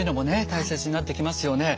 大切になってきますよね。